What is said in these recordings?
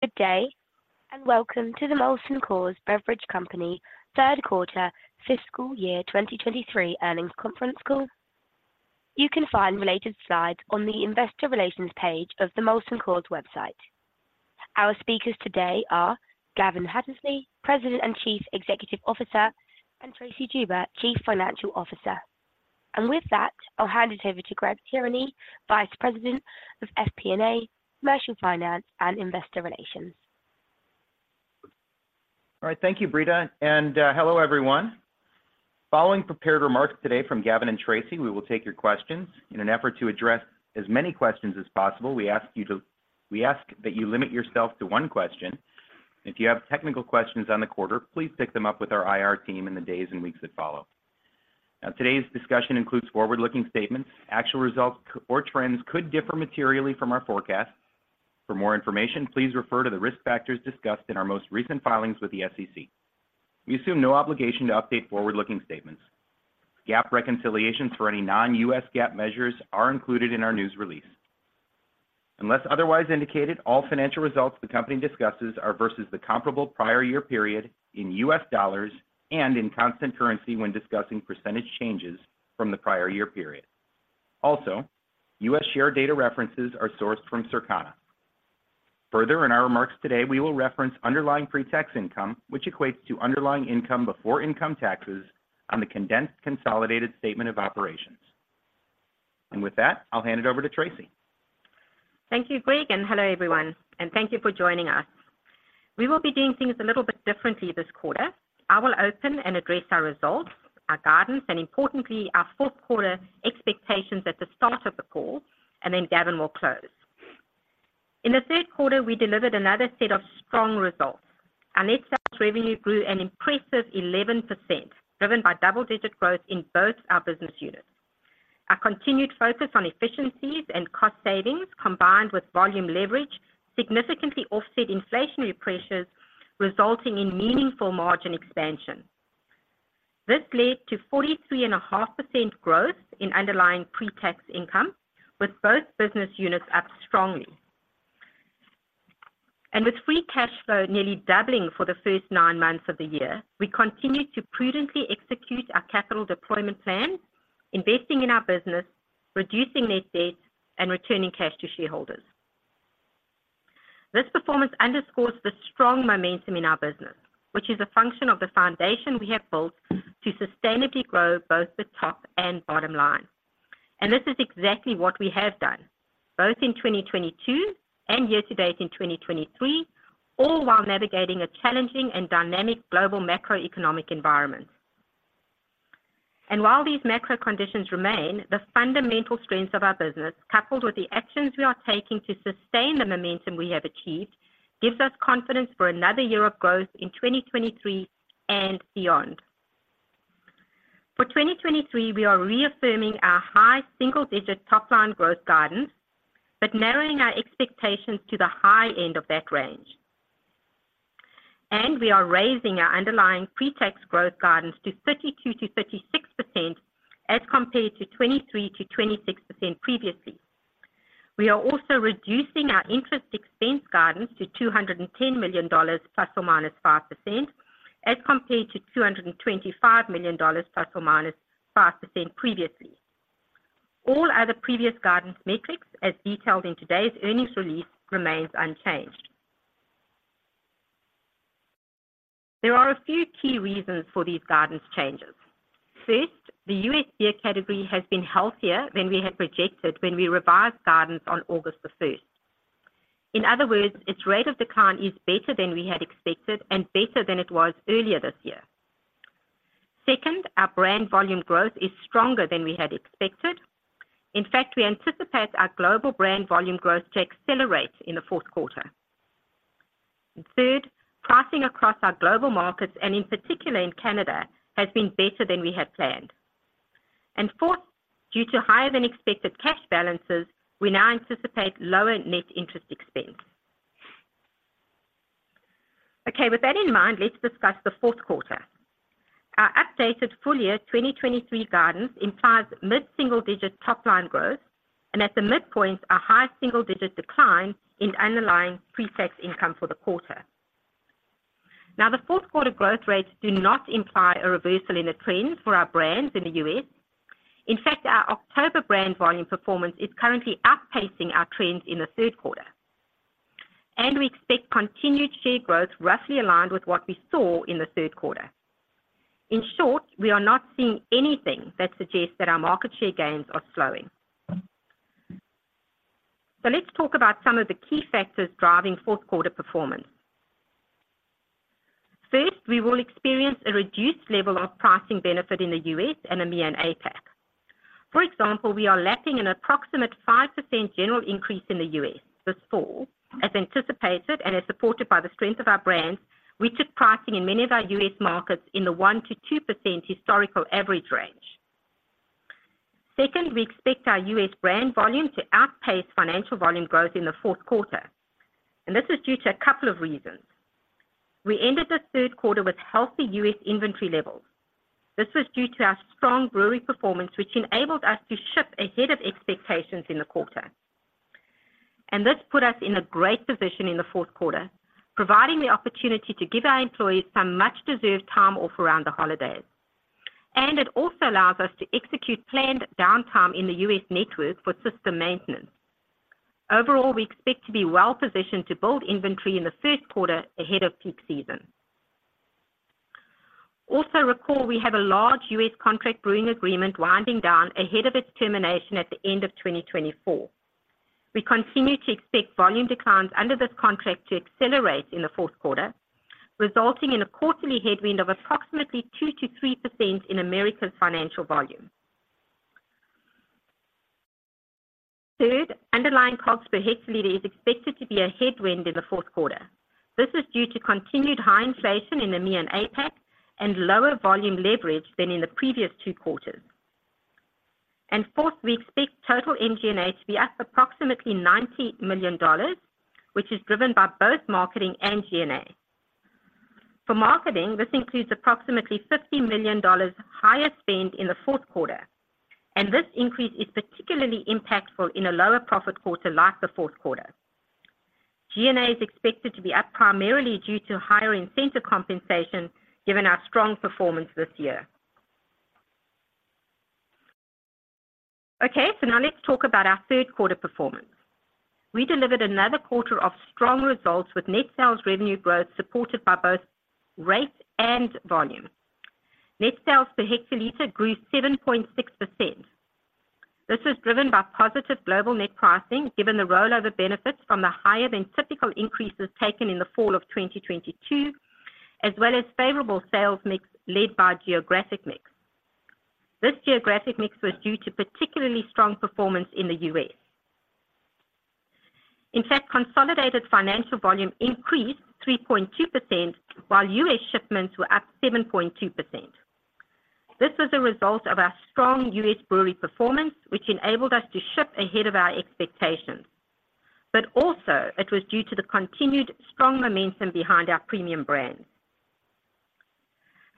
Good day, and welcome to the Molson Coors Beverage Company third quarter fiscal year 2023 earnings conference call. You can find related slides on the investor relations page of the Molson Coors website. Our speakers today are Gavin Hattersley, President and Chief Executive Officer, and Tracey Joubert, Chief Financial Officer. With that, I'll hand it over to Greg Tierney, Vice President of FP&A, Commercial Finance, and Investor Relations. All right, thank you, Britta, and hello, everyone. Following prepared remarks today from Gavin and Tracey, we will take your questions. In an effort to address as many questions as possible, we ask that you limit yourself to one question. If you have technical questions on the quarter, please pick them up with our IR team in the days and weeks that follow. Now, today's discussion includes forward-looking statements. Actual results or trends could differ materially from our forecasts. For more information, please refer to the risk factors discussed in our most recent filings with the SEC. We assume no obligation to update forward-looking statements. GAAP reconciliations for any non-GAAP measures are included in our news release. Unless otherwise indicated, all financial results the company discusses are versus the comparable prior year period in U.S. dollars and in constant currency when discussing percentage changes from the prior year period. Also, U.S. share data references are sourced from Circana. Further, in our remarks today, we will reference underlying pre-tax income, which equates to underlying income before income taxes on the condensed consolidated statement of operations. With that, I'll hand it over to Tracey. Thank you, Greg, and hello, everyone, and thank you for joining us. We will be doing things a little bit differently this quarter. I will open and address our results, our guidance, and importantly, our fourth quarter expectations at the start of the call, and then Gavin will close. In the third quarter, we delivered another set of strong results. Our net sales revenue grew an impressive 11%, driven by double-digit growth in both our business units. Our continued focus on efficiencies and cost savings, combined with volume leverage, significantly offset inflationary pressures, resulting in meaningful margin expansion. This led to 43.5% growth in underlying pre-tax income, with both business units up strongly. And with free cash flow nearly doubling for the first nine months of the year, we continue to prudently execute our capital deployment plan, investing in our business, reducing net debt, and returning cash to shareholders. This performance underscores the strong momentum in our business, which is a function of the foundation we have built to sustainably grow both the top and bottom line. And this is exactly what we have done, both in 2022 and year-to-date in 2023, all while navigating a challenging and dynamic global macroeconomic environment. And while these macro conditions remain, the fundamental strengths of our business, coupled with the actions we are taking to sustain the momentum we have achieved, gives us confidence for another year of growth in 2023 and beyond. For 2023, we are reaffirming our high single-digit top-line growth guidance, but narrowing our expectations to the high end of that range. We are raising our underlying pre-tax growth guidance to 32%-36%, as compared to 23%-26% previously. We are also reducing our interest expense guidance to $210 million ±5%, as compared to $225 million ±5% previously. All other previous guidance metrics, as detailed in today's earnings release, remains unchanged. There are a few key reasons for these guidance changes. First, the U.S. beer category has been healthier than we had projected when we revised guidance on August the first. In other words, its rate of decline is better than we had expected and better than it was earlier this year. Second, our brand volume growth is stronger than we had expected. In fact, we anticipate our global brand volume growth to accelerate in the fourth quarter. And third, pricing across our global markets, and in particular in Canada, has been better than we had planned. And fourth, due to higher-than-expected cash balances, we now anticipate lower net interest expense. Okay, with that in mind, let's discuss the fourth quarter. Our updated full-year 2023 guidance implies mid-single-digit top-line growth and, at the midpoint, a high-single-digit decline in underlying pre-tax income for the quarter. Now, the fourth quarter growth rates do not imply a reversal in the trends for our brands in the U.S. In fact, our October brand volume performance is currently outpacing our trends in the third quarter, and we expect continued share growth roughly aligned with what we saw in the third quarter. In short, we are not seeing anything that suggests that our market share gains are slowing. So let's talk about some of the key factors driving fourth quarter performance. First, we will experience a reduced level of pricing benefit in the US and EMEA and APAC. For example, we are lapping an approximate 5% general increase in the US this fall, as anticipated and as supported by the strength of our brands, which is pricing in many of our US markets in the 1%-2% historical average range. Second, we expect our US brand volume to outpace financial volume growth in the fourth quarter, and this is due to a couple of reasons. We ended the third quarter with healthy US inventory levels. This was due to our strong brewery performance, which enabled us to ship ahead of expectations in the quarter. And this put us in a great position in the fourth quarter, providing the opportunity to give our employees some much-deserved time off around the holidays. And it also allows us to execute planned downtime in the U.S. network for system maintenance. Overall, we expect to be well positioned to build inventory in the first quarter ahead of peak season. Also, recall, we have a large U.S. contract brewing agreement winding down ahead of its termination at the end of 2024. We continue to expect volume declines under this contract to accelerate in the fourth quarter, resulting in a quarterly headwind of approximately 2%-3% in Americas financial volume. Third, underlying costs per hectoliter is expected to be a headwind in the fourth quarter. This is due to continued high inflation in EMEA and APAC, and lower volume leverage than in the previous two quarters. And fourth, we expect total MG&A to be up approximately $90 million, which is driven by both marketing and G&A. For marketing, this includes approximately $50 million higher spend in the fourth quarter, and this increase is particularly impactful in a lower profit quarter like the fourth quarter. G&A is expected to be up primarily due to higher incentive compensation, given our strong performance this year. Okay, so now let's talk about our third quarter performance. We delivered another quarter of strong results with net sales revenue growth, supported by both rate and volume. Net sales per hectoliter grew 7.6%. This was driven by positive global net pricing, given the rollover benefits from the higher-than-typical increases taken in the fall of 2022, as well as favorable sales mix led by geographic mix. This geographic mix was due to particularly strong performance in the U.S. In fact, consolidated financial volume increased 3.2%, while U.S. shipments were up 7.2%. This was a result of our strong U.S. brewery performance, which enabled us to ship ahead of our expectations, but also it was due to the continued strong momentum behind our premium brands.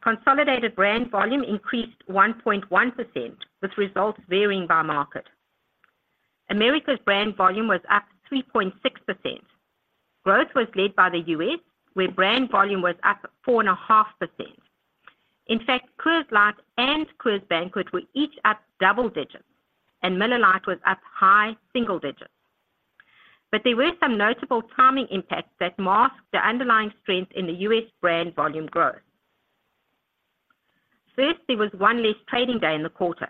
Consolidated brand volume increased 1.1%, with results varying by market. Americas brand volume was up 3.6%. Growth was led by the U.S., where brand volume was up 4.5%. In fact, Coors Light and Coors Banquet were each up double digits, and Miller Lite was up high single digits. But there were some notable timing impacts that masked the underlying strength in the U.S. brand volume growth. First, there was one less trading day in the quarter.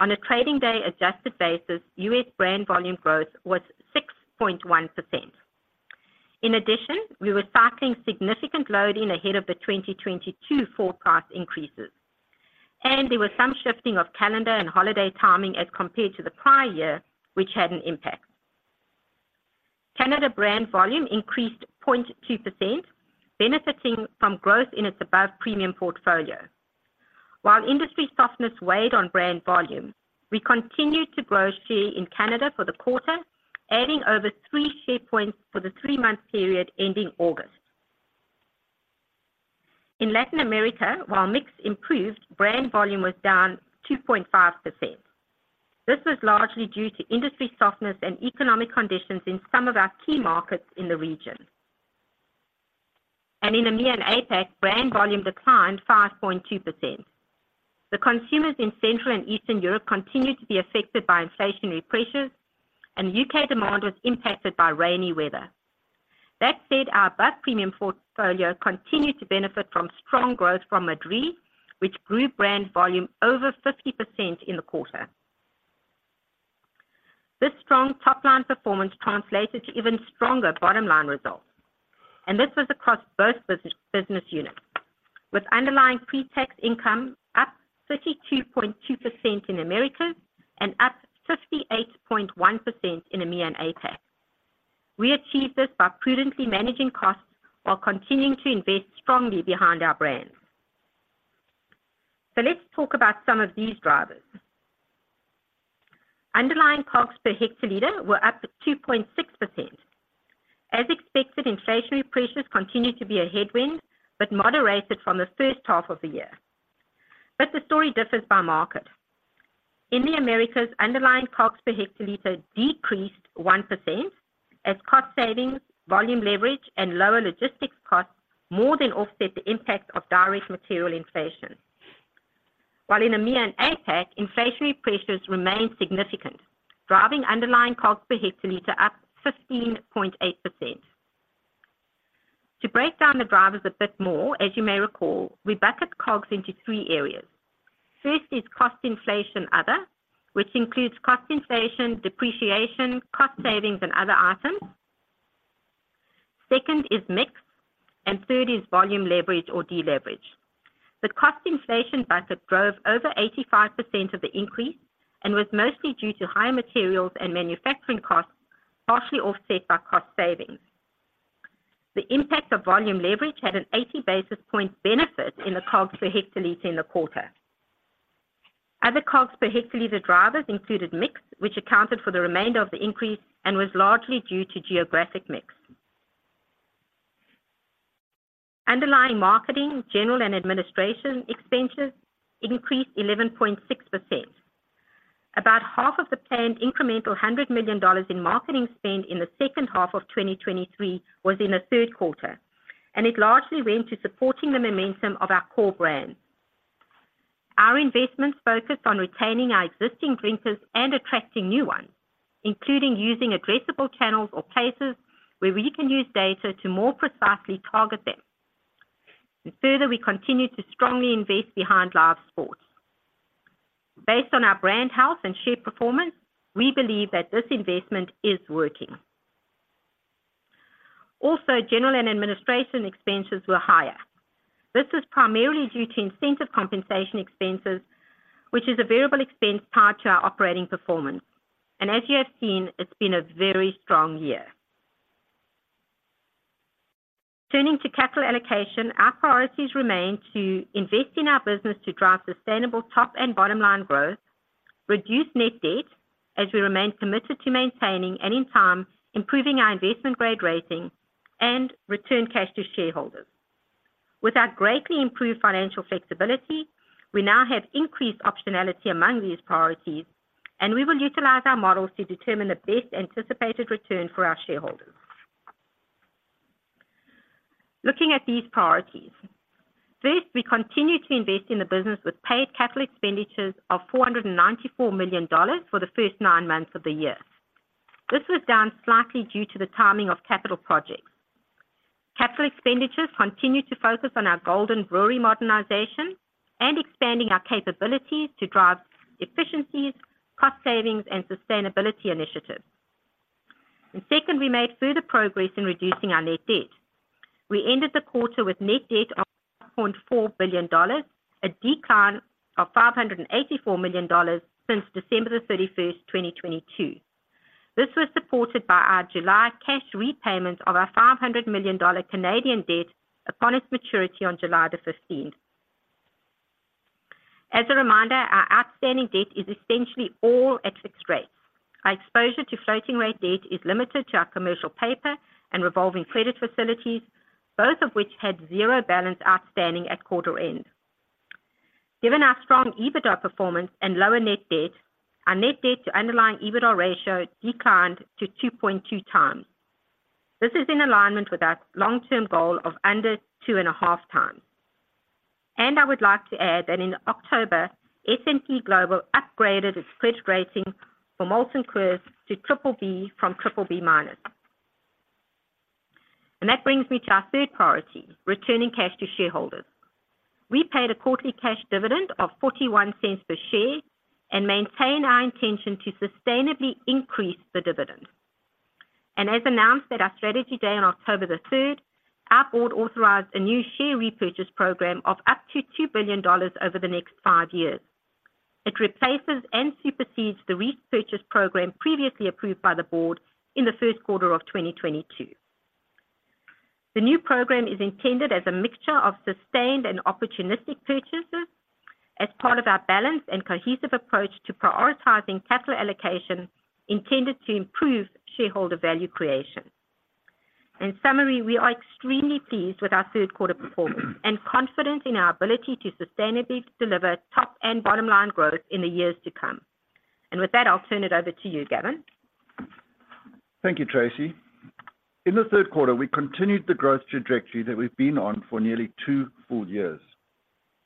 On a trading day-adjusted basis, U.S. brand volume growth was 6.1%. In addition, we were cycling significant loading ahead of the 2022 forecast increases, and there was some shifting of calendar and holiday timing as compared to the prior year, which had an impact. Canada brand volume increased 0.2%, benefiting from growth in its above-premium portfolio. While industry softness weighed on brand volume, we continued to grow share in Canada for the quarter, adding over three share points for the three-month period ending August. In Latin America, while mix improved, brand volume was down 2.5%. This was largely due to industry softness and economic conditions in some of our key markets in the region. In EMEA and APAC, brand volume declined 5.2%. Consumers in Central and Eastern Europe continued to be affected by inflationary pressures, and UK demand was impacted by rainy weather. That said, our above-premium portfolio continued to benefit from strong growth from Madrí Excepcional, which grew brand volume over 50% in the quarter. This strong top-line performance translated to even stronger bottom-line results, and this was across both business units, with underlying pre-tax income up 32.2% in Americas and up 58.1% in EMEA and APAC. We achieved this by prudently managing costs while continuing to invest strongly behind our brands. So let's talk about some of these drivers. Underlying COGS per hectoliter were up 2.6%. As expected, inflationary pressures continued to be a headwind, but moderated from the first half of the year. But the story differs by market. In the Americas, underlying COGS per hectoliter decreased 1% as cost savings, volume leverage, and lower logistics costs more than offset the impact of direct material inflation. While in EMEA and APAC, inflationary pressures remained significant, driving underlying COGS per hectoliter up 15.8%. To break down the drivers a bit more, as you may recall, we bucket COGS into three areas. First is cost inflation/other, which includes cost inflation, depreciation, cost savings, and other items. Second is mix, and third is volume leverage or deleverage. The cost inflation bucket drove over 85% of the increase and was mostly due to higher materials and manufacturing costs, partially offset by cost savings. The impact of volume leverage had an 80 basis points benefit in the COGS per hectoliter in the quarter. Other costs per hectoliter drivers included mix, which accounted for the remainder of the increase and was largely due to geographic mix. Underlying marketing, general and administration expenses increased 11.6%. About half of the planned incremental $100 million in marketing spend in the second half of 2023 was in the third quarter, and it largely went to supporting the momentum of our core brands. Our investments focused on retaining our existing drinkers and attracting new ones, including using addressable channels or places where we can use data to more precisely target them. And further, we continue to strongly invest behind live sports. Based on our brand health and share performance, we believe that this investment is working. Also, general and administrative expenses were higher. This is primarily due to incentive compensation expenses, which is a variable expense tied to our operating performance, and as you have seen, it's been a very strong year. Turning to capital allocation, our priorities remain to invest in our business to drive sustainable top and bottom line growth, reduce net debt as we remain committed to maintaining and in time improving our investment-grade rating, and return cash to shareholders. With our greatly improved financial flexibility, we now have increased optionality among these priorities, and we will utilize our models to determine the best anticipated return for our shareholders. Looking at these priorities: First, we continue to invest in the business with paid capital expenditures of $494 million for the first nine months of the year. This was down slightly due to the timing of capital projects. Capital expenditures continue to focus on our Golden Brewery modernization and expanding our capabilities to drive efficiencies, cost savings, and sustainability initiatives. Second, we made further progress in reducing our net debt. We ended the quarter with net debt of $0.4 billion, a decline of $584 million since December 31, 2022. This was supported by our July cash repayments of our $500 million Canadian debt upon its maturity on July 15. As a reminder, our outstanding debt is essentially all at fixed rates. Our exposure to floating rate debt is limited to our commercial paper and revolving credit facilities, both of which had 0 balance outstanding at quarter end. Given our strong EBITDA performance and lower net debt, our net debt to underlying EBITDA ratio declined to 2.2 times. This is in alignment with our long-term goal of under 2.5 times. And I would like to add that in October, S&P Global upgraded its credit rating for Molson Coors from BBB- to BBB. That brings me to our third priority, returning cash to shareholders. We paid a quarterly cash dividend of $0.41 per share and maintain our intention to sustainably increase the dividend. As announced at our Strategy Day on October 3rd, our board authorized a new share repurchase program of up to $2 billion over the next five years. It replaces and supersedes the repurchase program previously approved by the board in the first quarter of 2022. The new program is intended as a mixture of sustained and opportunistic purchases as part of our balanced and cohesive approach to prioritizing capital allocation intended to improve shareholder value creation. In summary, we are extremely pleased with our third quarter performance and confident in our ability to sustainably deliver top and bottom line growth in the years to come. And with that, I'll turn it over to you, Gavin. Thank you, Tracey. In the third quarter, we continued the growth trajectory that we've been on for nearly two full years.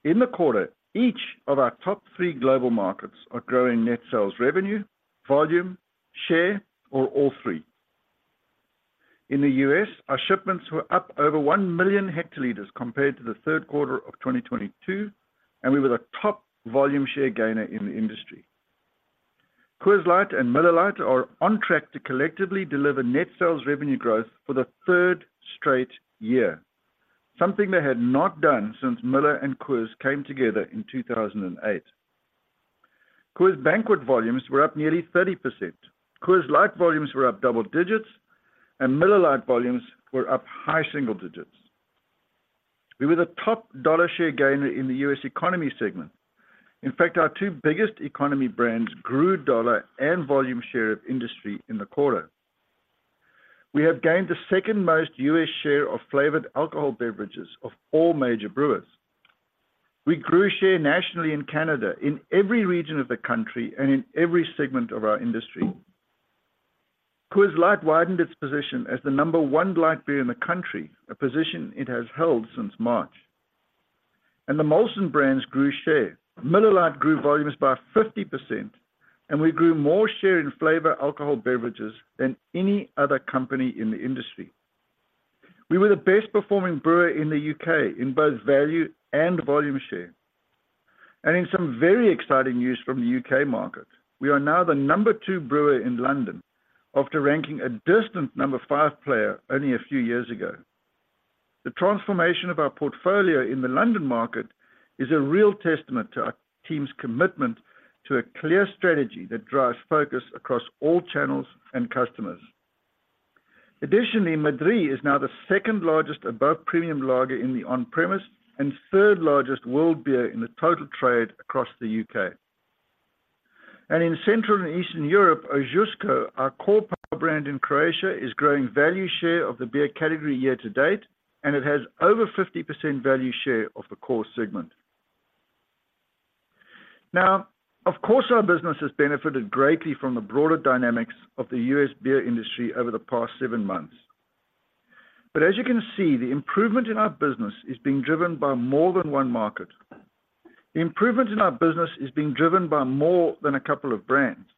In the quarter, each of our top three global markets are growing net sales revenue, volume, share, or all three. In the U.S., our shipments were up over 1 million hectoliters compared to the third quarter of 2022, and we were the top volume share gainer in the industry. Coors Light and Miller Lite are on track to collectively deliver net sales revenue growth for the third straight year, something they had not done since Miller and Coors came together in 2008. Coors Banquet volumes were up nearly 30%. Coors Light volumes were up double digits, and Miller Lite volumes were up high single digits. We were the top dollar share gainer in the U.S. economy segment. In fact, our two biggest economy brands grew dollar and volume share of industry in the quarter. We have gained the second-most U.S. share of flavored alcohol beverages of all major brewers. We grew share nationally in Canada, in every region of the country and in every segment of our industry. Coors Light widened its position as the number one light beer in the country, a position it has held since March. The Molson brands grew share. Miller Lite grew volumes by 50%, and we grew more share in flavored alcohol beverages than any other company in the industry. We were the best performing brewer in the U.K. in both value and volume share. In some very exciting news from the U.K. market, we are now the number two brewer in London after ranking a distant number five player only a few years ago. The transformation of our portfolio in the London market is a real testament to our team's commitment to a clear strategy that drives focus across all channels and customers.... Additionally, Madrí is now the second-largest above premium lager in the on-premise, and third-largest world beer in the total trade across the U.K. And in Central and Eastern Europe, Ožujsko, our core brand in Croatia, is growing value share of the beer category year to date, and it has over 50% value share of the core segment. Now, of course, our business has benefited greatly from the broader dynamics of the U.S. beer industry over the past seven months. But as you can see, the improvement in our business is being driven by more than one market. The improvement in our business is being driven by more than a couple of brands.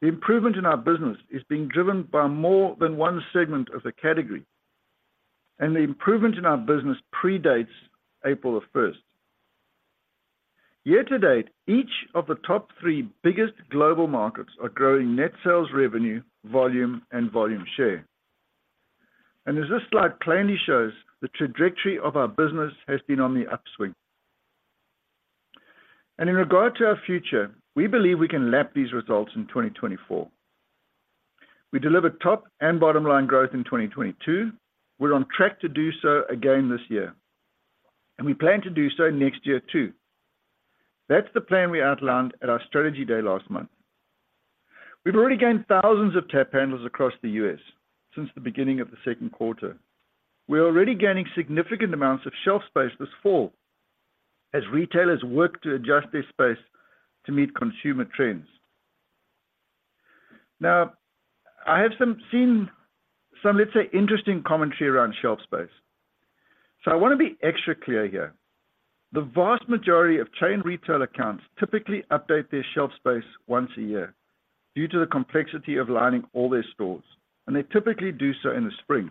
The improvement in our business is being driven by more than one segment of the category, and the improvement in our business predates April 1st. Year to date, each of the top three biggest global markets are growing net sales revenue, volume, and volume share. As this slide plainly shows, the trajectory of our business has been on the upswing. In regard to our future, we believe we can lap these results in 2024. We delivered top and bottom line growth in 2022. We're on track to do so again this year, and we plan to do so next year, too. That's the plan we outlined at our Strategy Day last month. We've already gained thousands of tap handles across the U.S. since the beginning of the second quarter. We're already gaining significant amounts of shelf space this fall as retailers work to adjust their space to meet consumer trends. Now, I've seen some, let's say, interesting commentary around shelf space. So I want to be extra clear here. The vast majority of chain retail accounts typically update their shelf space once a year due to the complexity of lining all their stores, and they typically do so in the spring.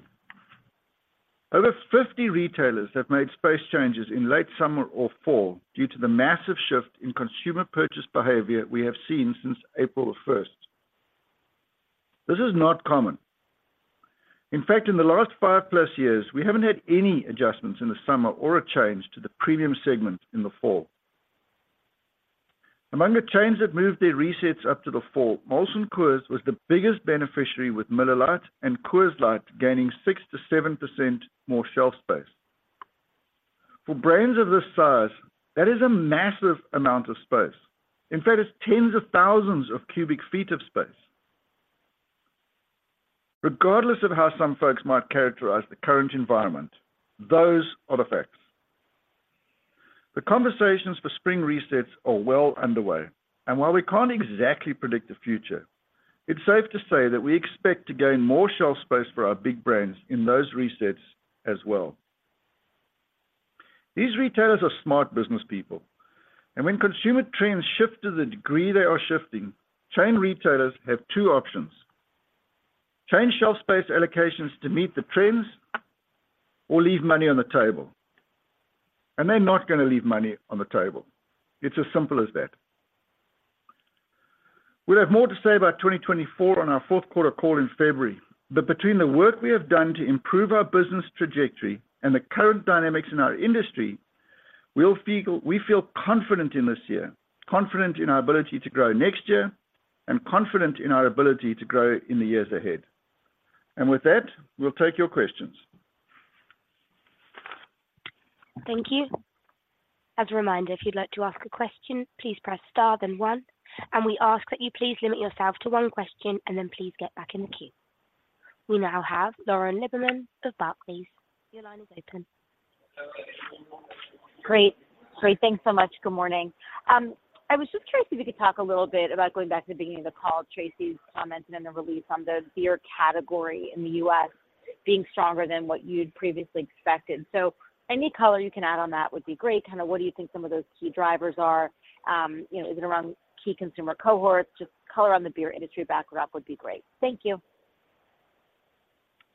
Over 50 retailers have made space changes in late summer or fall due to the massive shift in consumer purchase behavior we have seen since April 1. This is not common. In fact, in the last 5+ years, we haven't had any adjustments in the summer or a change to the premium segment in the fall. Among the chains that moved their resets up to the fall, Molson Coors was the biggest beneficiary, with Miller Lite and Coors Light gaining 6%-7% more shelf space. For brands of this size, that is a massive amount of space. In fact, it's tens of thousands of cubic feet of space. Regardless of how some folks might characterize the current environment, those are the facts. The conversations for spring resets are well underway, and while we can't exactly predict the future, it's safe to say that we expect to gain more shelf space for our big brands in those resets as well. These retailers are smart business people, and when consumer trends shift to the degree they are shifting, chain retailers have two options: change shelf space allocations to meet the trends or leave money on the table. They're not going to leave money on the table. It's as simple as that. We'll have more to say about 2024 on our fourth quarter call in February, but between the work we have done to improve our business trajectory and the current dynamics in our industry, we'll feel - we feel confident in this year, confident in our ability to grow next year, and confident in our ability to grow in the years ahead. With that, we'll take your questions. Thank you. As a reminder, if you'd like to ask a question, please press Star, then one, and we ask that you please limit yourself to one question, and then please get back in the queue. We now have Lauren Lieberman of Barclays. Your line is open. Great. Great. Thanks so much. Good morning. I was just curious if you could talk a little bit about going back to the beginning of the call, Tracey's comments and then the release on the beer category in the U.S. being stronger than what you'd previously expected. So any color you can add on that would be great. Kind of, what do you think some of those key drivers are? You know, is it around key consumer cohorts? Just color on the beer industry backdrop would be great. Thank you.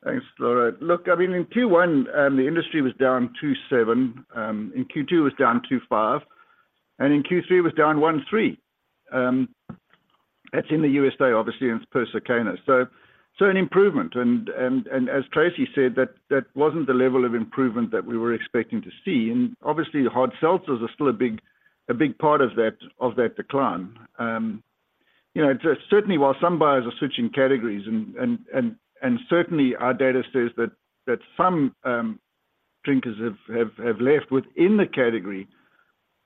Thanks, Lauren. Look, I mean, in Q1, the industry was down 2.7%, in Q2, it was down 2.5%, and in Q3, it was down 1.3%. That's in the USA, obviously, and it's per Circana. So, so an improvement, and, and, and as Tracey said, that, that wasn't the level of improvement that we were expecting to see. And obviously, hard seltzers are still a big, a big part of that, of that decline. You know, certainly, while some buyers are switching categories, and, and, and, and certainly our data says that, that some, drinkers have, have, have left within the category,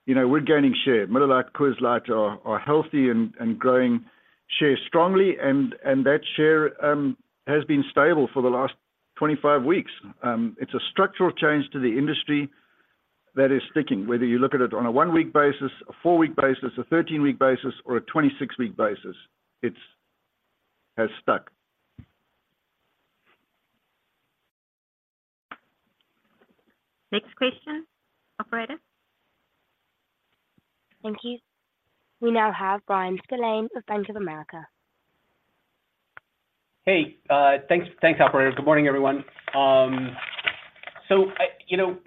you know, we're gaining share. Miller Lite, Coors Light are, are healthy and, and growing share strongly, and, and that share, has been stable for the last 25 weeks. It's a structural change to the industry that is sticking, whether you look at it on a 1-week basis, a 4-week basis, a 13-week basis, or a 26-week basis, it's has stuck. Next question, operator. Thank you. We now have Bryan Spillane of Bank of America. Hey, thanks, thanks, operator. Good morning, everyone. So you know,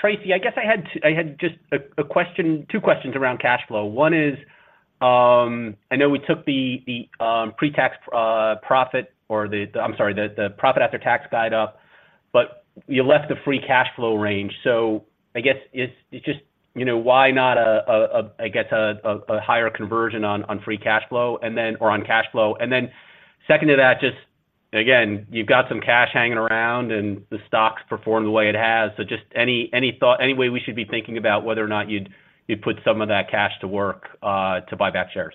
Tracey, I guess I had I had just a question, two questions around cash flow. One is, I know we took the pre-tax profit or the... I'm sorry, the profit after tax guide up, but you left the free cash flow range. So I guess it's just, you know, why not a higher conversion on free cash flow, and then, or on cash flow? And then second to that, just again, you've got some cash hanging around and the stock's performed the way it has. So just any thought, any way we should be thinking about whether or not you'd put some of that cash to work, to buy back shares?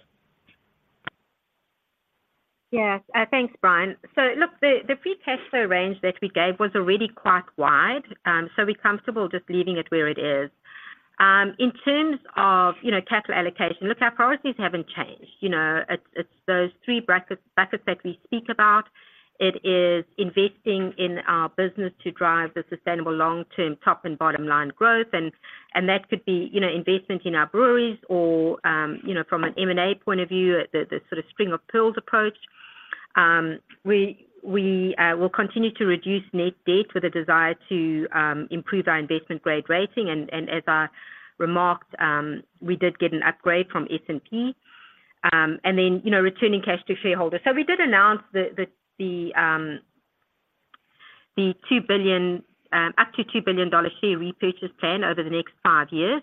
Yes. Thanks, Bryan. So look, the free cash flow range that we gave was already quite wide, so we're comfortable just leaving it where it is. In terms of, you know, capital allocation, look, our priorities haven't changed. You know, it's those three buckets that we speak about. It is investing in our business to drive the sustainable long-term top and bottom line growth, and that could be, you know, investment in our breweries or, you know, from an M&A point of view, the sort of string of pearls approach. We will continue to reduce net debt with a desire to improve our investment-grade rating, and as I remarked, we did get an upgrade from S&P. And then, you know, returning cash to shareholders. We did announce the $2 billion, up to $2 billion share repurchase plan over the next 5 years.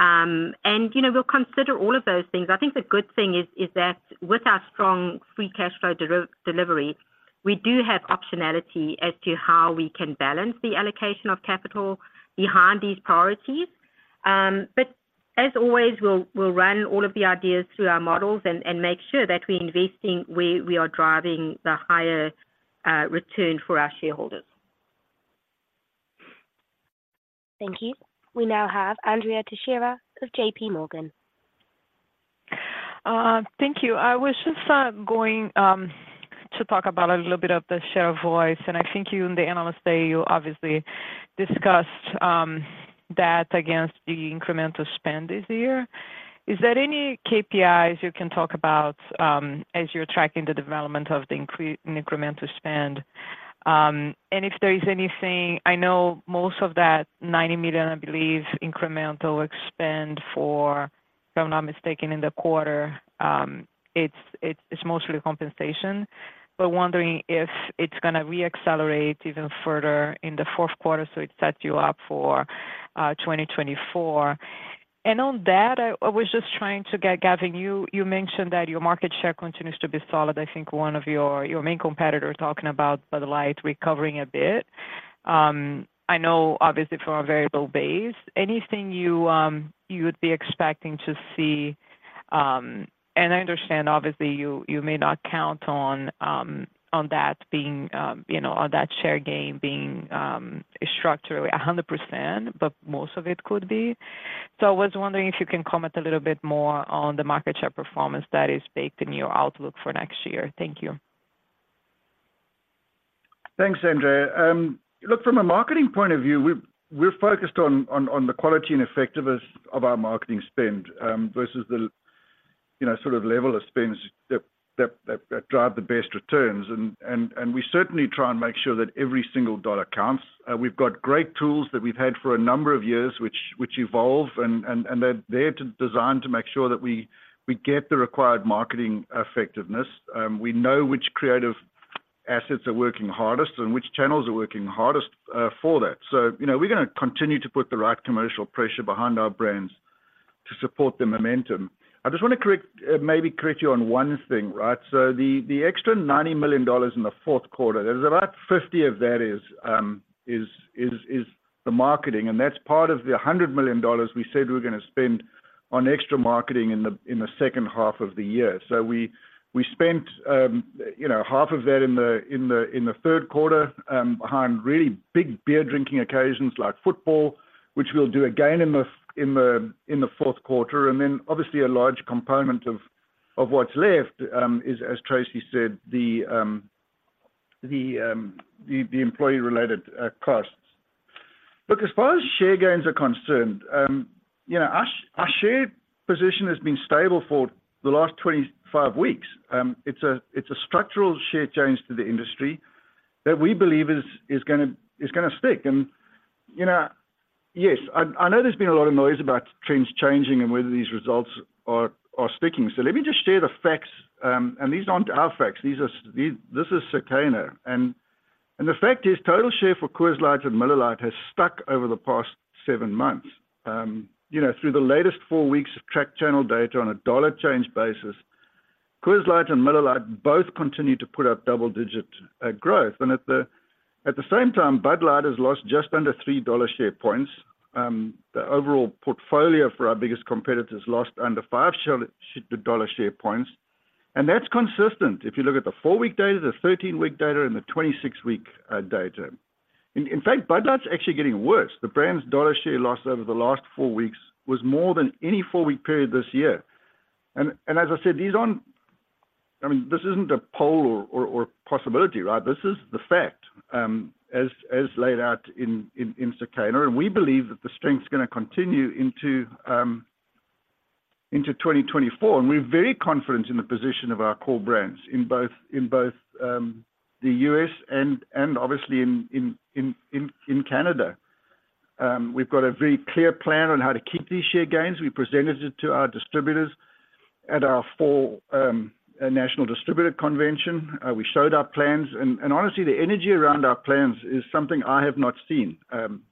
You know, we'll consider all of those things. I think the good thing is, is that with our strong free cash flow delivery, we do have optionality as to how we can balance the allocation of capital behind these priorities. But as always, we'll run all of the ideas through our models and make sure that we're investing where we are driving the higher return for our shareholders. Thank you. We now have Andrea Teixeira of JP Morgan. Thank you. I was just going to talk about a little bit of the share voice, and I think you in the analyst day, you obviously discussed that against the incremental spend this year. Is there any KPIs you can talk about as you're tracking the development of the incremental spend? And if there is anything, I know most of that $90 million, I believe, incremental spend for, if I'm not mistaken, in the quarter, it's mostly compensation, but wondering if it's gonna reaccelerate even further in the fourth quarter, so it sets you up for 2024. And on that, I was just trying to get, Gavin, you mentioned that your market share continues to be solid. I think one of your main competitors talking about Bud Light recovering a bit. I know obviously from a very low base. Anything you, you would be expecting to see... I understand, obviously, you, you may not count on, on that being, you know, on that share gain being, structurally 100%, but most of it could be. So I was wondering if you can comment a little bit more on the market share performance that is baked in your outlook for next year. Thank you. Thanks, Andrea. Look, from a marketing point of view, we've-- we're focused on the quality and effectiveness of our marketing spend, versus the, you know, sort of level of spends that drive the best returns. We certainly try and make sure that every single dollar counts. We've got great tools that we've had for a number of years, which evolve, and they're there to design to make sure that we get the required marketing effectiveness. We know which creative assets are working hardest and which channels are working hardest, for that. So, you know, we're gonna continue to put the right commercial pressure behind our brands to support the momentum. I just want to correct, maybe correct you on one thing, right? So the extra $90 million in the fourth quarter, there's about $50 million of that is the marketing, and that's part of the $100 million we said we're gonna spend on extra marketing in the second half of the year. So we spent, you know, $50 million of that in the third quarter behind really big beer drinking occasions like football, which we'll do again in the fourth quarter. And then, obviously, a large component of what's left is, as Tracey said, the employee-related costs. Look, as far as share gains are concerned, you know, our share position has been stable for the last 25 weeks. It's a structural share change to the industry that we believe is gonna stick. And, you know, yes, I know there's been a lot of noise about trends changing and whether these results are sticking. So let me just share the facts, and these aren't our facts, these are this is Circana. And the fact is, total share for Coors Light and Miller Lite has stuck over the past 7 months. You know, through the latest 4 weeks of track channel data on a dollar change basis, Coors Light and Miller Lite both continue to put up double-digit growth. And at the same time, Bud Light has lost just under 3 dollar share points. The overall portfolio for our biggest competitors lost under five dollar share points, and that's consistent if you look at the 4-week data, the 13-week data, and the 26-week data. In fact, Bud Light's actually getting worse. The brand's dollar share loss over the last 4 weeks was more than any 4-week period this year. And as I said, these aren't... I mean, this isn't a poll or possibility, right? This is the fact, as laid out in Circana, and we believe that the strength is gonna continue into 2024. And we're very confident in the position of our core brands in both the U.S. and obviously in Canada. We've got a very clear plan on how to keep these share gains. We presented it to our distributors at our fall National Distributor Convention. We showed our plans, and honestly, the energy around our plans is something I have not seen,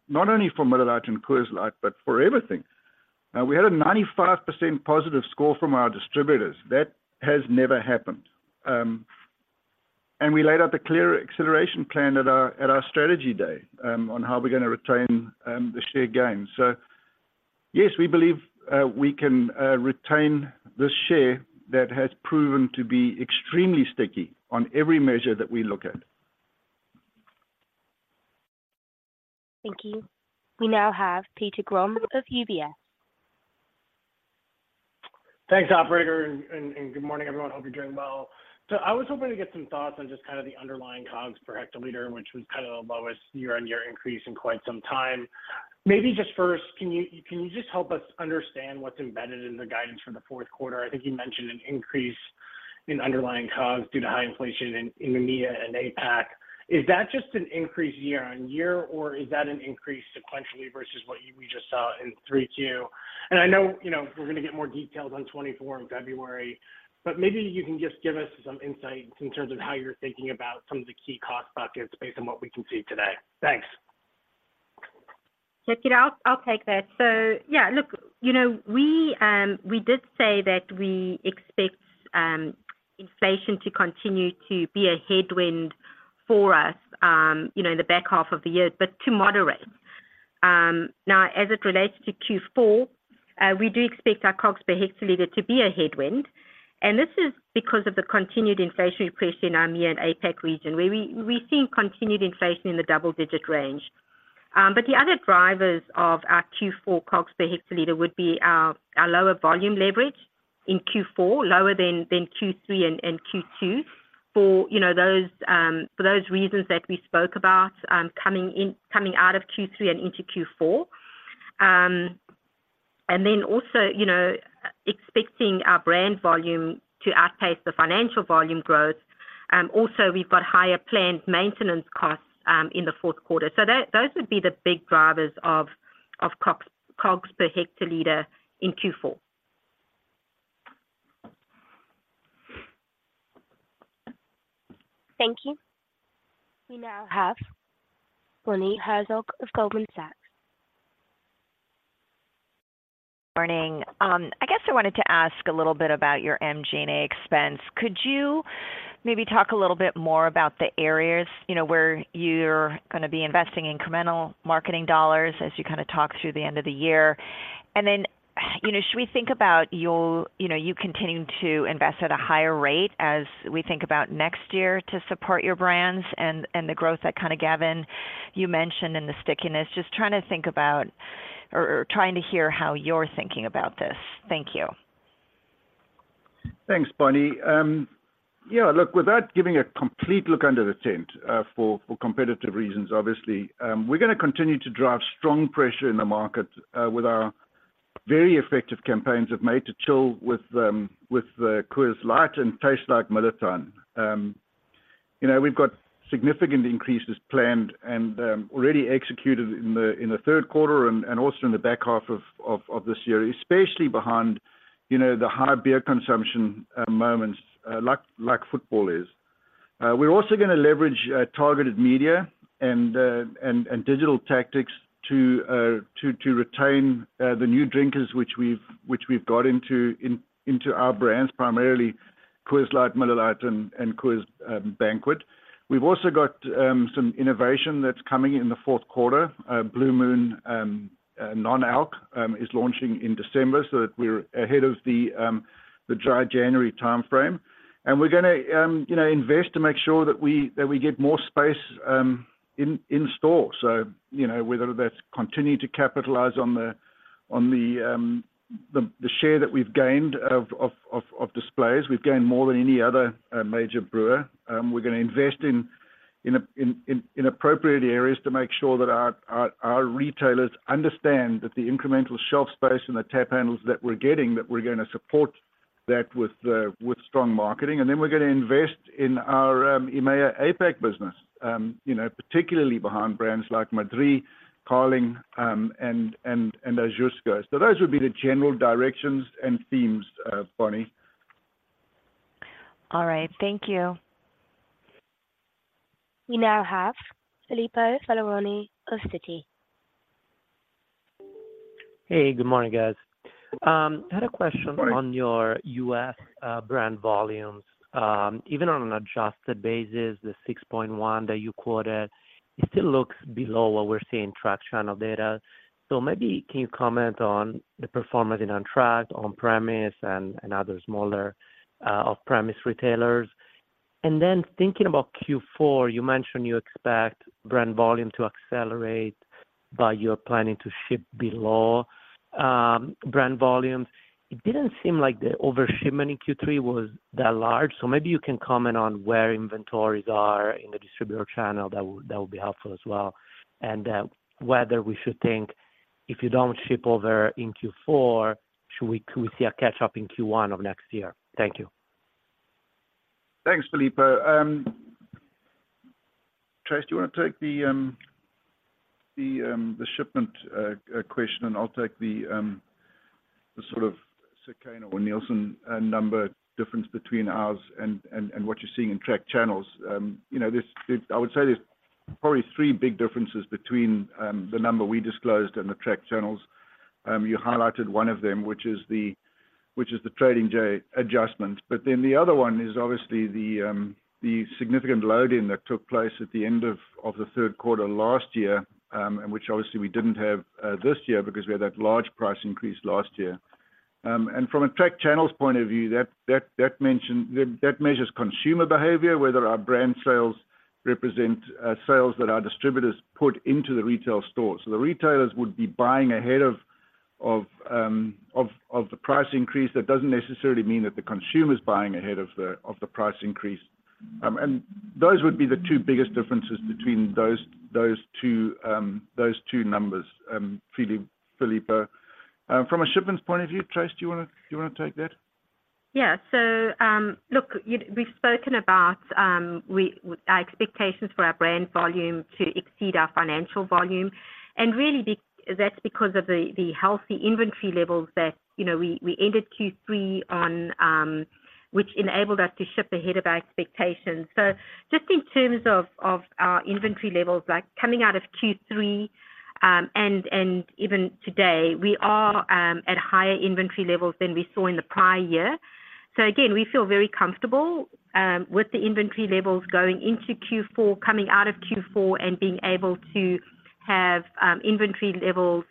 not only for Miller Lite and Coors Light, but for everything. We had a 95% positive score from our distributors. That has never happened. And we laid out the clear acceleration plan at our Strategy Day, on how we're gonna retain the share gains. So yes, we believe we can retain the share that has proven to be extremely sticky on every measure that we look at. Thank you. We now have Peter Grom of UBS. Thanks, operator, and good morning, everyone. Hope you're doing well. So I was hoping to get some thoughts on just kind of the underlying COGS per hectoliter, which was kind of the lowest year-over-year increase in quite some time. Maybe just first, can you just help us understand what's embedded in the guidance for the fourth quarter? I think you mentioned an increase in underlying COGS due to high inflation in the EMEA and APAC. Is that just an increase year-over-year, or is that an increase sequentially versus what we just saw in 3Q? And I know, you know, we're gonna get more details on 2024 in February, but maybe you can just give us some insight in terms of how you're thinking about some of the key cost buckets based on what we can see today. Thanks. Peter, I'll take that. So yeah, look, you know, we did say that we expect inflation to continue to be a headwind for us, you know, in the back half of the year, but to moderate. Now, as it relates to Q4, we do expect our COGS per hectoliter to be a headwind, and this is because of the continued inflationary pressure in our EMEA and APAC region, where we see continued inflation in the double-digit range. But the other drivers of our Q4 COGS per hectoliter would be our lower volume leverage in Q4, lower than Q3 and Q2 for you know those for those reasons that we spoke about, coming out of Q3 and into Q4. And then also, you know, expecting our brand volume to outpace the financial volume growth. Also, we've got higher planned maintenance costs in the fourth quarter. So that, those would be the big drivers of COGS per hectoliter in Q4. Thank you. We now have Bonnie Herzog of Goldman Sachs. Morning. I guess I wanted to ask a little bit about your MG&A expense. Could you maybe talk a little bit more about the areas, you know, where you're gonna be investing incremental marketing dollars as you kind of talk through the end of the year? And then, you know, should we think about you continuing to invest at a higher rate as we think about next year to support your brands and the growth that kind of, Gavin, you mentioned and the stickiness? Just trying to think about or trying to hear how you're thinking about this. Thank you. Thanks, Bonnie. Yeah, look, without giving a complete look under the tent, for competitive reasons, obviously, we're gonna continue to drive strong pressure in the market with our very effective campaigns of Made to Chill with the Coors Light and Taste like Miller Time. You know, we've got significant increases planned and already executed in the third quarter and also in the back half of this year, especially behind, you know, the high beer consumption moments like football is. We're also gonna leverage targeted media and digital tactics to retain the new drinkers, which we've got into our brands, primarily Coors Light, Miller Lite, and Coors Banquet. We've also got some innovation that's coming in the fourth quarter. Blue Moon Non-Alc is launching in December so that we're ahead of the dry January timeframe. And we're gonna you know invest to make sure that we get more space in store. So you know whether that's continuing to capitalize on the share that we've gained of displays. We've gained more than any other major brewer. We're gonna invest in appropriate areas to make sure that our retailers understand that the incremental shelf space and the tap handles that we're getting, that we're gonna support that with strong marketing. And then we're gonna invest in our EMEA-APAC business, you know, particularly behind brands like Madrí, Carling, and Ožujsko. So those would be the general directions and themes, Bonnie. All right, thank you. We now have Filippo Falorni of Citi. Hey, good morning, guys. I had a question- Good morning. On your U.S. brand volumes. Even on an adjusted basis, the 6.1 that you quoted, it still looks below what we're seeing in track channel data. So maybe can you comment on the performance in on track, on-premise, and other smaller off-premise retailers? And then thinking about Q4, you mentioned you expect brand volume to accelerate, but you're planning to ship below brand volumes. It didn't seem like the overshipment in Q3 was that large, so maybe you can comment on where inventories are in the distributor channel. That would, that would be helpful as well. And whether we should think if you don't ship over in Q4, should we, could we see a catch-up in Q1 of next year? Thank you. Thanks, Filippo. Trace, do you want to take the shipment question, and I'll take the sort of Circana or Nielsen number difference between ours and what you're seeing in track channels. You know, there's, I would say there's probably three big differences between the number we disclosed and the track channels. You highlighted one of them, which is the trading day adjustment. But then the other one is obviously the significant load-in that took place at the end of the third quarter last year, and which obviously we didn't have this year because we had that large price increase last year. And from a track channels point of view, that measures consumer behavior, whether our brand sales represent sales that our distributors put into the retail stores. So the retailers would be buying ahead of the price increase. That doesn't necessarily mean that the consumer is buying ahead of the price increase. And those would be the two biggest differences between those two numbers, Filippo. From a shipments point of view, Tracey, do you wanna take that? Yeah. So, look, we've spoken about our expectations for our brand volume to exceed our financial volume. And really, that's because of the healthy inventory levels that, you know, we ended Q3 on, which enabled us to ship ahead of our expectations. So just in terms of our inventory levels, like, coming out of Q3, and even today, we are at higher inventory levels than we saw in the prior year. So again, we feel very comfortable with the inventory levels going into Q4, coming out of Q4, and being able to have inventory levels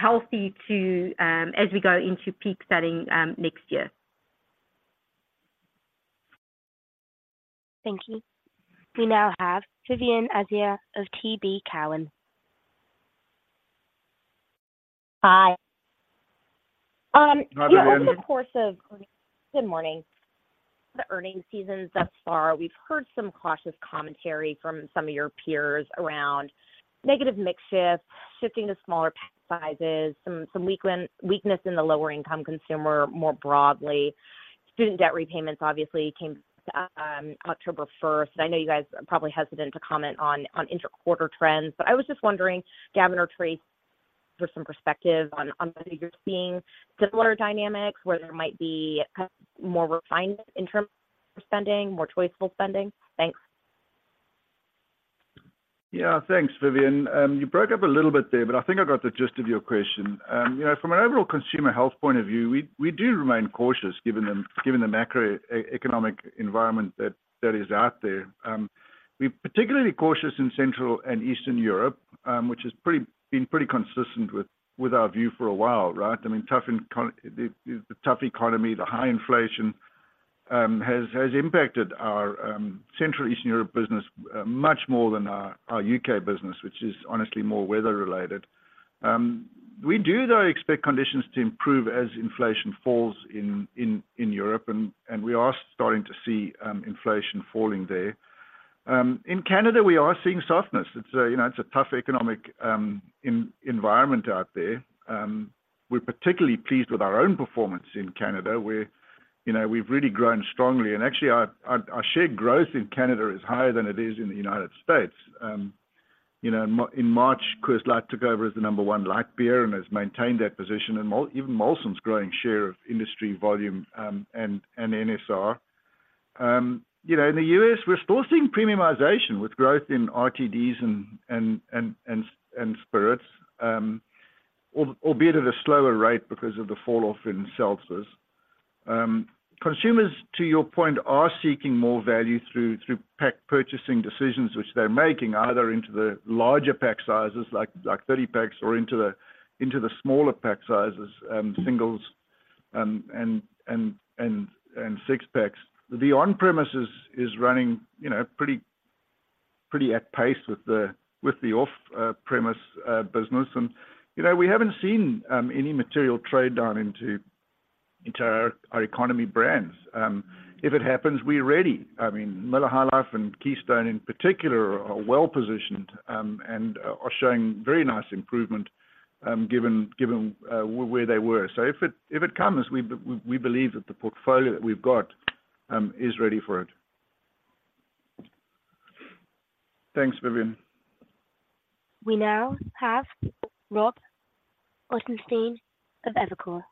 healthy to as we go into peak setting next year. Thank you. We now have Vivien Azer of TD Cowen. Hi. Hi, Vivian. Good morning. The earnings seasons thus far, we've heard some cautious commentary from some of your peers around negative mix shifts, shifting to smaller pack sizes, some weakness in the lower-income consumer, more broadly. Student debt repayments obviously came October first. I know you guys are probably hesitant to comment on interquarter trends, but I was just wondering, Gavin or Trace, for some perspective on whether you're seeing similar dynamics, where there might be kind of more refinement in terms of spending, more choiceful spending? Thanks. Yeah. Thanks, Vivien. You broke up a little bit there, but I think I got the gist of your question. You know, from an overall consumer health point of view, we, we do remain cautious, given the, given the macroeconomic environment that, that is out there. We're particularly cautious in Central and Eastern Europe, which has been pretty consistent with, with our view for a while, right? I mean, the, the tough economy, the high inflation, has, has impacted our, Central Eastern Europe business, much more than our, our U.K. business, which is honestly more weather-related. We do, though, expect conditions to improve as inflation falls in, in, in Europe, and, and we are starting to see, inflation falling there. In Canada, we are seeing softness. It's, you know, it's a tough economic environment out there. We're particularly pleased with our own performance in Canada, where, you know, we've really grown strongly. And actually, our shared growth in Canada is higher than it is in the United States. You know, in March, Coors Light took over as the number one light beer and has maintained that position, and even Molson's growing share of industry volume, and NSR. You know, in the U.S., we're still seeing premiumization with growth in RTDs and spirits, albeit at a slower rate because of the falloff in seltzers. Consumers, to your point, are seeking more value through pack purchasing decisions, which they're making either into the larger pack sizes, like 30 packs, or into the smaller pack sizes, singles, and six packs. The on-premise is running, you know, pretty at pace with the off-premise business. You know, we haven't seen any material trade-down into our economy brands. If it happens, we're ready. I mean, Miller High Life and Keystone, in particular, are well-positioned and are showing very nice improvement, given where they were. So if it comes, we believe that the portfolio that we've got is ready for it. Thanks, Vivien. We now have Rob Ottenstein of Evercore.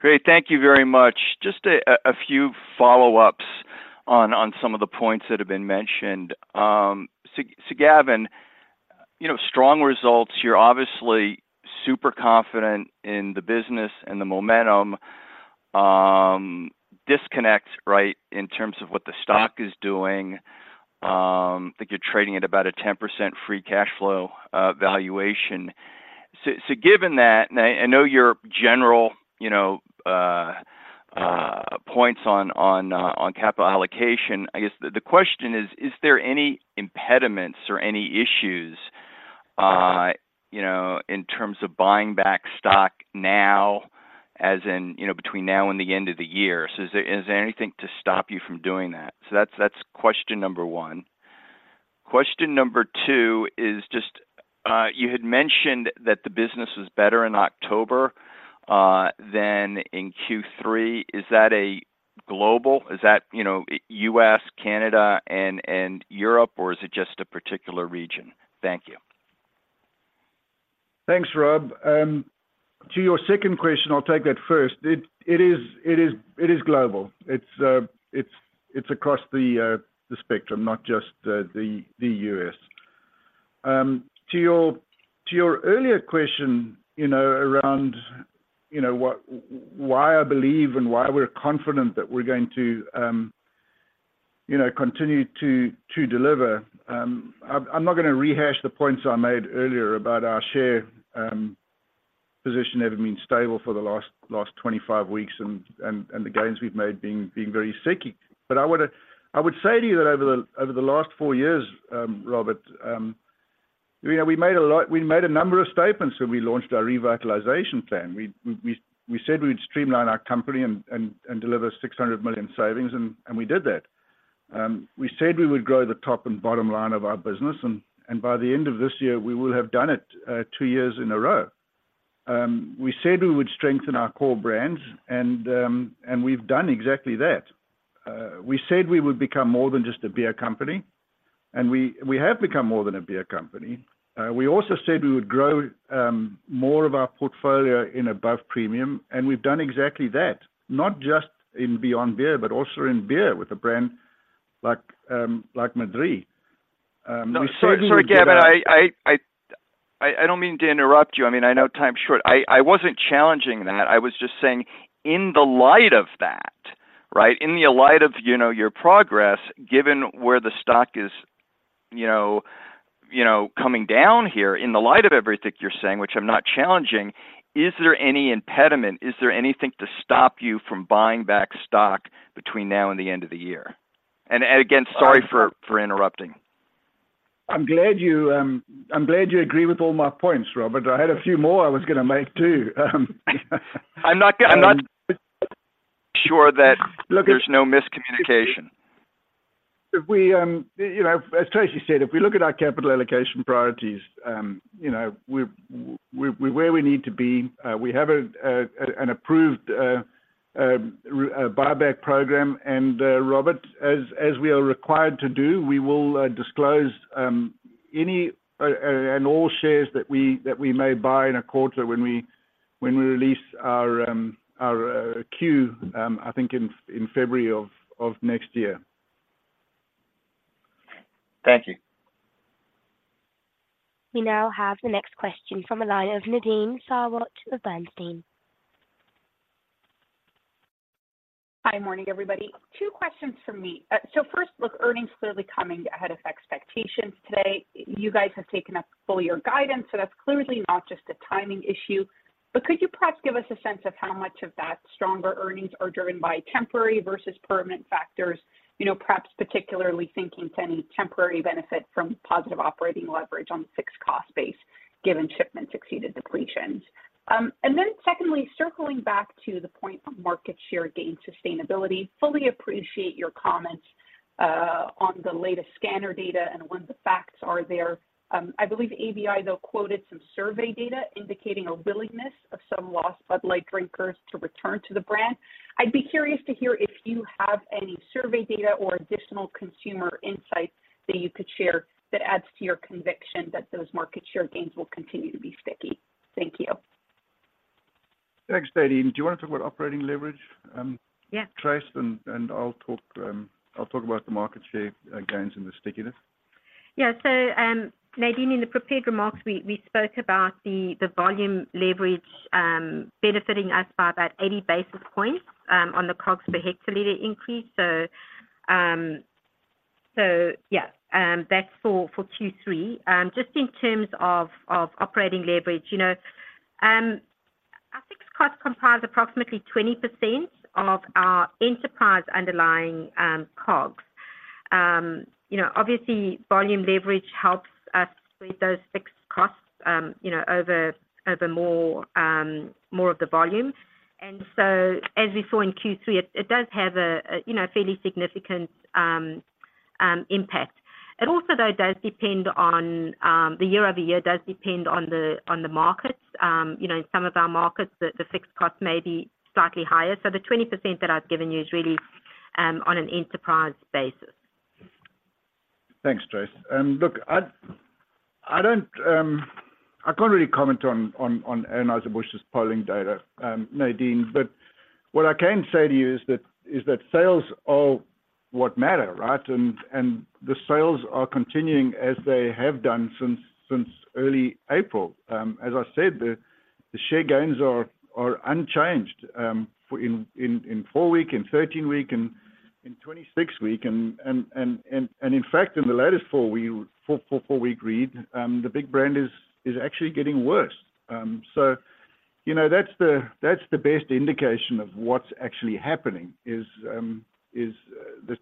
Great. Thank you very much. Just a few follow-ups on some of the points that have been mentioned. So, Gavin, you know, strong results. You're obviously super confident in the business and the momentum. Disconnect, right, in terms of what the stock is doing. I think you're trading at about a 10% free cash flow valuation. So given that, and I know your general, you know, points on capital allocation, I guess the question is: Is there any impediments or any issues, you know, in terms of buying back stock now, as in, you know, between now and the end of the year? So is there anything to stop you from doing that? So that's question number one. Question number two is just, you had mentioned that the business was better in October than in Q3. Is that a global? Is that, you know, U.S., Canada, and Europe, or is it just a particular region? Thank you. Thanks, Rob. To your second question, I'll take that first. It is global. It's across the spectrum, not just the U.S. To your earlier question, you know, around, you know, what, why I believe and why we're confident that we're going to, you know, continue to deliver, I'm not gonna rehash the points I made earlier about our share position having been stable for the last 25 weeks and the gains we've made being very sticky. But I would say to you that over the last four years, Robert, you know, we made a lot. We made a number of statements when we launched our revitalization plan. We said we'd streamline our company and deliver $600 million savings, and we did that. We said we would grow the top and bottom line of our business and by the end of this year, we will have done it two years in a row. We said we would strengthen our core brands, and we've done exactly that. We said we would become more than just a beer company, and we have become more than a beer company. We also said we would grow more of our portfolio in above premium, and we've done exactly that. Not just in beyond beer, but also in beer with a brand like Madrí. We said- Sorry, Gavin, I don't mean to interrupt you. I mean, I know time is short. I wasn't challenging that. I was just saying, in the light of that, right? In the light of, you know, your progress, given where the stock is, you know, you know, coming down here, in the light of everything you're saying, which I'm not challenging, is there any impediment, is there anything to stop you from buying back stock between now and the end of the year? And again, sorry for interrupting. I'm glad you agree with all my points, Robert. I had a few more I was gonna make, too. I'm not sure that- Look- There's no miscommunication. If we, you know, as Tracey said, if we look at our capital allocation priorities, you know, we're where we need to be. We have an approved buyback program. And, Robert, as we are required to do, we will disclose any and all shares that we may buy in a quarter when we release our Q, I think in February of next year. Thank you. We now have the next question from the line of Nadine Sarwat of Bernstein. Hi, morning, everybody. Two questions from me. So first, look, earnings clearly coming ahead of expectations today. You guys have taken a full year guidance, so that's clearly not just a timing issue. But could you perhaps give us a sense of how much of that stronger earnings are driven by temporary versus permanent factors? You know, perhaps particularly thinking to any temporary benefit from positive operating leverage on fixed cost base given shipments exceeded depletions. And then secondly, circling back to the point of market share gain sustainability, fully appreciate your comments on the latest scanner data and when the facts are there. I believe ABI, though, quoted some survey data indicating a willingness of some lost Bud Light drinkers to return to the brand. I'd be curious to hear if you have any survey data or additional consumer insights that you could share that adds to your conviction that those market share gains will continue to be sticky. Thank you. Thanks, Nadine. Do you want to talk about operating leverage? Yeah. Tracey, and I'll talk about the market share gains and the stickiness. Yeah. So, Nadine, in the prepared remarks, we spoke about the volume leverage benefiting us by about 80 basis points on the COGS per hectoliter increase. So, yeah, that's for Q3. Just in terms of operating leverage, you know, I think cost comprised approximately 20% of our enterprise underlying COGS. You know, obviously, volume leverage helps us with those fixed costs, you know, over more of the volume. And so as we saw in Q3, it does have a fairly significant impact. It also, though, does depend on the year-over-year does depend on the markets. You know, in some of our markets, the fixed cost may be slightly higher. The 20% that I've given you is really, on an enterprise basis. Thanks, Trace. Look, I can't really comment on Anheuser-Busch's polling data, Nadine, but what I can say to you is that sales are what matter, right? The sales are continuing as they have done since early April. As I said, the share gains are unchanged for four-week, 13-week, and 26-week. In fact, in the latest four-week read, the big brand is actually getting worse. So you know, that's the best indication of what's actually happening is the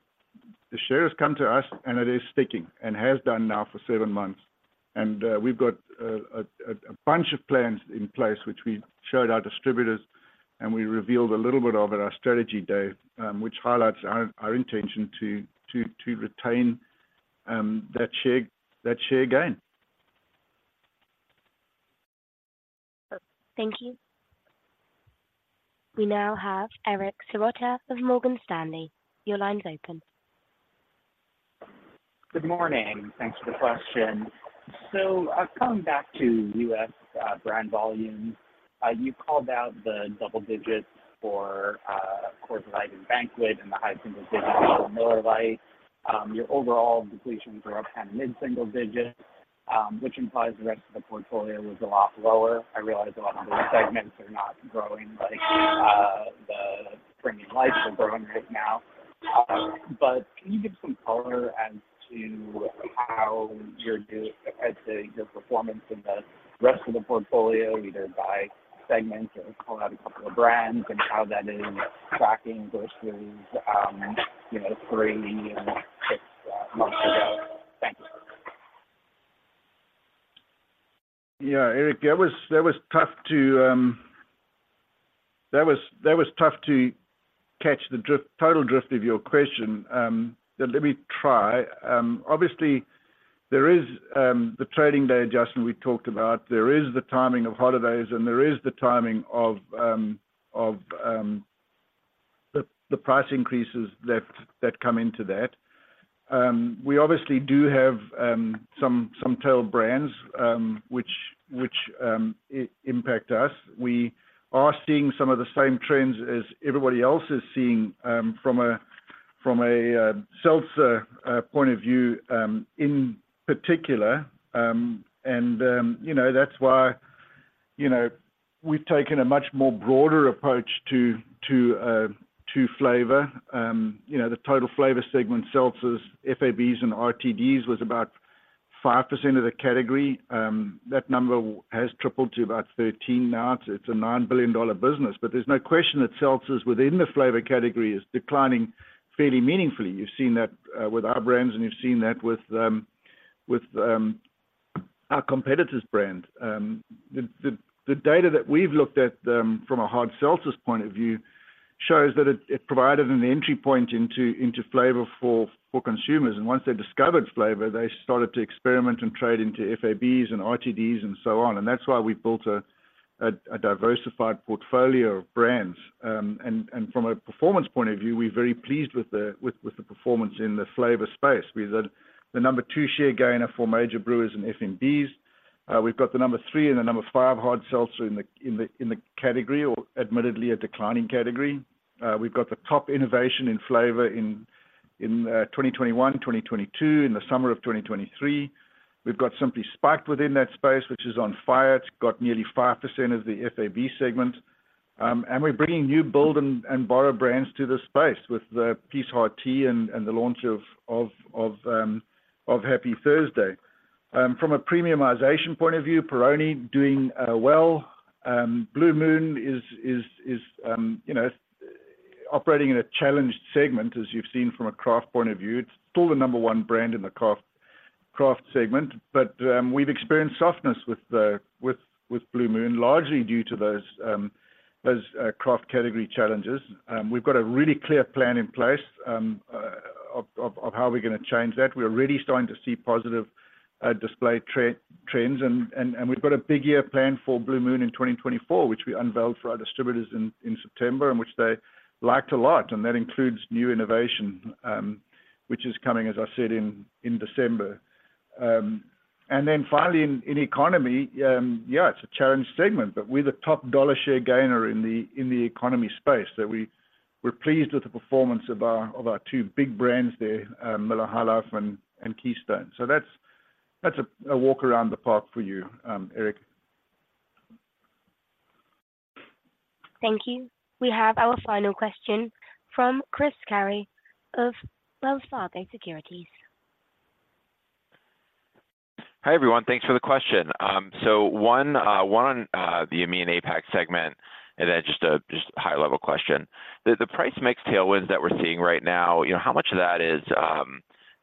shares come to us, and it is sticking and has done now for seven months. We've got a bunch of plans in place, which we showed our distributors, and we revealed a little bit of at our Strategy Day, which highlights our intention to retain that share gain. Thank you. We now have Eric Serotta of Morgan Stanley. Your line's open. Good morning. Thanks for the question. So I've come back to U.S. brand volumes. You called out the double digits for Coors Light and Banquet and the high single digits Miller Lite. Your overall depletions are up kind of mid-single digits, which implies the rest of the portfolio was a lot lower. I realize a lot of those segments are not growing like the premium lights are growing right now. But can you give some color as to how you're as to your performance in the rest of the portfolio, either by segment or call out a couple of brands, and how that is tracking versus you know, three, six months ago? Thank you. Yeah, Eric, that was tough to catch the total drift of your question. But let me try. Obviously, there is the trading day adjustment we talked about. There is the timing of holidays, and there is the timing of the price increases that come into that. We obviously do have some tail brands which impact us. We are seeing some of the same trends as everybody else is seeing from a seltzer point of view, in particular. And you know, that's why you know, we've taken a much more broader approach to flavor. You know, the total flavor segment, seltzers, FABs, and RTDs, was about 5% of the category. That number has tripled to about 13 now. It's a $9 billion business, but there's no question that seltzers within the flavor category is declining fairly meaningfully. You've seen that with our brands, and you've seen that with our competitors' brands. The data that we've looked at from a hard seltzer point of view shows that it provided an entry point into flavor for consumers. And once they discovered flavor, they started to experiment and trade into FABs and RTDs and so on. And that's why we built a diversified portfolio of brands. And from a performance point of view, we're very pleased with the performance in the flavor space. We're the number two share gainer for major brewers in FMBs. We've got the number three and the number five hard seltzer in the category, or admittedly, a declining category. We've got the top innovation in flavor in 2021, 2022, in the summer of 2023. We've got Simply Spiked within that space, which is on fire. It's got nearly 5% of the FAB segment. And we're bringing new build and borrow brands to this space with the Peace Hard Tea and the launch of Happy Thursday. From a premiumization point of view, Peroni doing well. Blue Moon is, you know, operating in a challenged segment, as you've seen from a craft point of view. It's still the number one brand in the craft segment, but we've experienced softness with Blue Moon, largely due to those craft category challenges. We've got a really clear plan in place of how we're gonna change that. We're really starting to see positive display trends, and we've got a big year plan for Blue Moon in 2024, which we unveiled for our distributors in September, and which they liked a lot, and that includes new innovation, which is coming, as I said, in December. And then finally in economy, yeah, it's a challenged segment, but we're the top dollar share gainer in the economy space. So we're pleased with the performance of our two big brands there, Miller High Life and Keystone. So that's a walk around the park for you, Eric. Thank you. We have our final question from Chris Carey of Wells Fargo Securities. Hi, everyone. Thanks for the question. So one on the EMEA and APAC segment, and then just a high-level question. The price mix tailwinds that we're seeing right now, you know, how much of that is,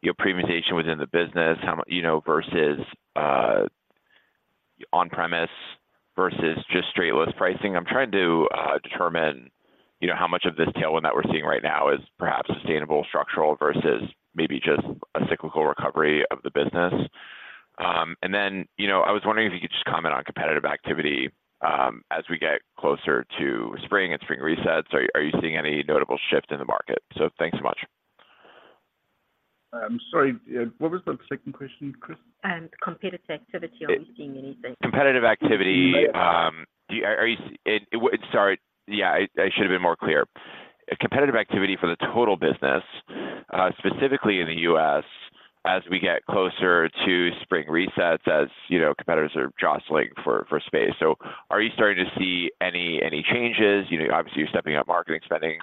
you know, premiumization within the business? How you know, versus on-premise, versus just straight list pricing. I'm trying to determine, you know, how much of this tailwind that we're seeing right now is perhaps sustainable, structural, versus maybe just a cyclical recovery of the business. And then, you know, I was wondering if you could just comment on competitive activity as we get closer to spring and spring resets. Are you seeing any notable shift in the market? So thanks so much. I'm sorry, what was the second question, Chris? Competitive activity. Are you seeing anything? Competitive activity. Yeah. Yeah, I should have been more clear. Competitive activity for the total business, specifically in the US, as we get closer to spring resets, as you know, competitors are jostling for space. So are you starting to see any changes? You know, obviously, you're stepping up marketing spending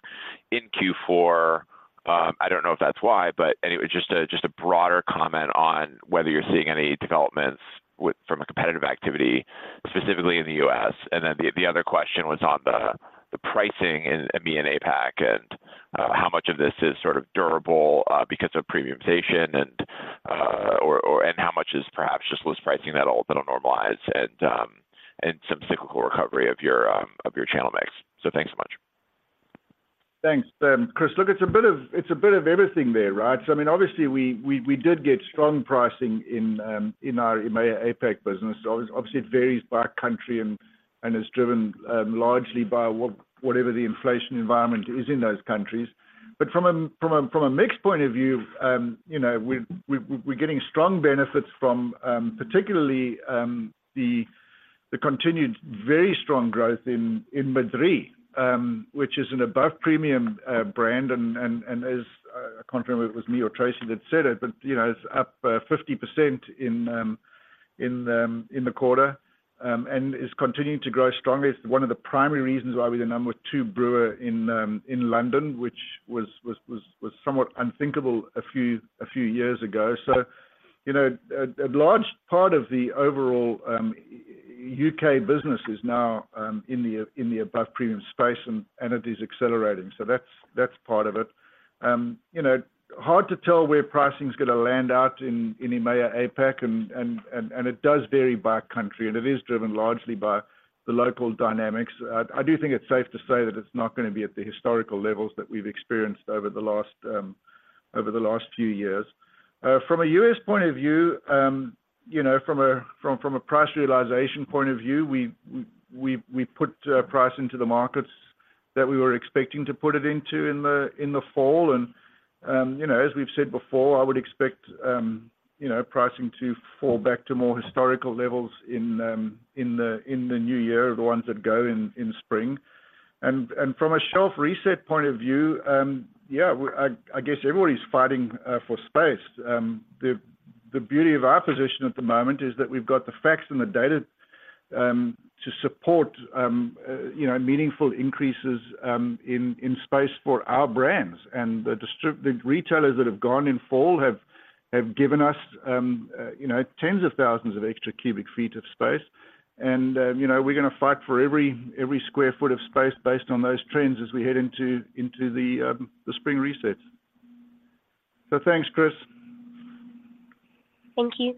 in Q4. I don't know if that's why, but anyway, just a broader comment on whether you're seeing any developments from a competitive activity? Specifically in the US. And then the other question was on the pricing in EMEA and APAC, and how much of this is sort of durable because of premiumization and how much is perhaps just loose pricing that will normalize and some cyclical recovery of your channel mix. Thanks so much. Thanks. Chris, look, it's a bit of, it's a bit of everything there, right? So I mean, obviously, we did get strong pricing in our EMEA and APAC business. Obviously, it varies by country and is driven largely by whatever the inflation environment is in those countries. But from a mix point of view, you know, we've, we're getting strong benefits from, particularly, the continued very strong growth in Madrí Excepcional, which is an above-premium brand. And as I can't remember if it was me or Tracey that said it, but, you know, it's up 50% in the quarter, and it's continuing to grow strongly. It's one of the primary reasons why we're the number two brewer in London, which was somewhat unthinkable a few years ago. So, you know, a large part of the overall UK business is now in the above-premium space, and it is accelerating. So that's part of it. You know, hard to tell where pricing is gonna land out in EMEA-APAC, and it does vary by country, and it is driven largely by the local dynamics. I do think it's safe to say that it's not gonna be at the historical levels that we've experienced over the last few years. From a U.S. point of view, you know, from a price realization point of view, we put price into the markets that we were expecting to put it into in the fall. And, you know, as we've said before, I would expect, you know, pricing to fall back to more historical levels in the new year, the ones that go in spring. And from a shelf reset point of view, yeah, I guess everybody's fighting for space. The beauty of our position at the moment is that we've got the facts and the data to support, you know, meaningful increases in space for our brands. And the distri... The retailers that have gone in fall have given us, you know, tens of thousands of cu ft of space. You know, we're gonna fight for every sq ft of space based on those trends as we head into the spring resets. So thanks, Chris. Thank you.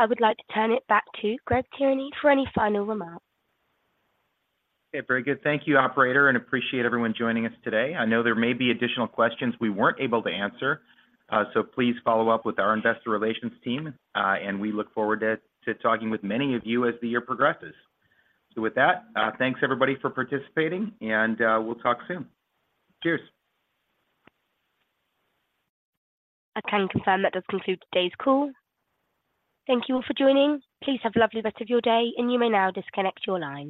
I would like to turn it back to Greg Tierney for any final remarks. Okay, very good. Thank you, operator, and appreciate everyone joining us today. I know there may be additional questions we weren't able to answer, so please follow up with our investor relations team, and we look forward to talking with many of you as the year progresses. So with that, thanks everybody for participating, and we'll talk soon. Cheers! I can confirm that does conclude today's call. Thank you all for joining. Please have a lovely rest of your day, and you may now disconnect your lines.